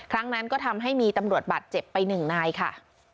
ครั้งนั้นก็ทำให้มีตำรวจบาดเจ็บไปหนึ่งนายค่ะ